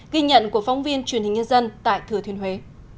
ghi nhận của phóng viên truyền hình nhân dân tại thừa thiên huế